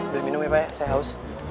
belum minum ya pak ya saya haus